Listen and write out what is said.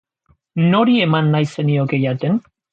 Nori eman nahi zenioke jaten?